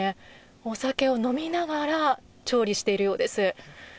お酒を飲みながら調理しているようです。